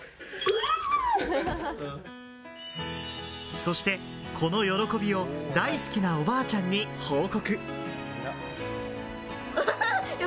そして、この喜びを大好きなおばあちゃんに報告。